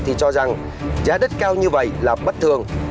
thì cho rằng giá đất cao như vậy là bất thường